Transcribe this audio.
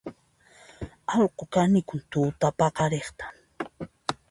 Allqu kanikun tutapaqariq